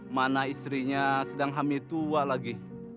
mana istrinya sedang hamil tua lagi